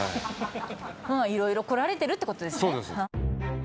いろいろ来られているということですね。